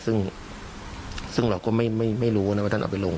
ซึ่งซึ่งเราก็ไม่ไม่ไม่รู้นะว่าท่านออกไปลง